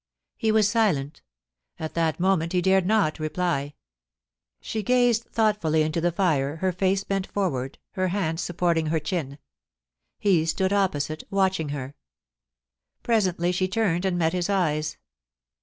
He was silent At that moment he dared not reply. She gazed thoughtfully into the fire, her face bent forward, her hand supporting her chin. He stood opposite, watching her. Presently she turned and met his eyes.